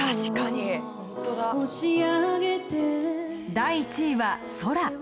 第１位は「空」